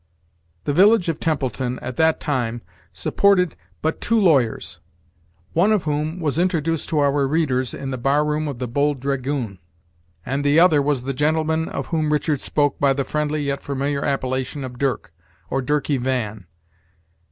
The village of Templeton at that time supported but two lawyers, one of whom was introduced to our readers in the bar room of the "Bold Dragoon." and the other was the gentleman of whom Richard spoke by the friendly yet familiar appellation of Dirck, or Dirky Van.